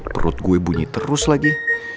perut gue bunyi terus lagi